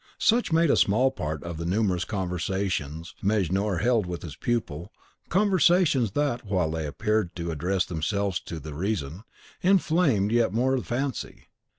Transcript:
Such made a small part of the numerous conversations Mejnour held with his pupil, conversations that, while they appeared to address themselves to the reason, inflamed yet more the fancy.